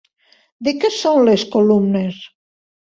De què són les columnes?